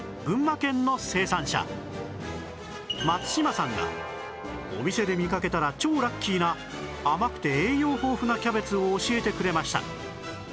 群馬県の生産者松島さんがお店で見かけたら超ラッキーな甘くて栄養豊富なキャベツを教えてくれました